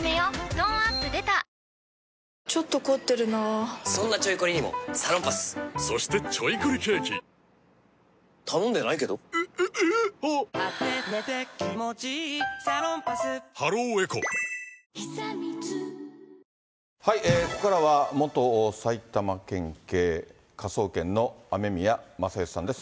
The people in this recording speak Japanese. トーンアップ出たここからは元埼玉県警科捜研の雨宮正欣さんです。